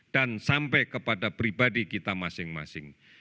dan sampai kepada pribadi kita masing masing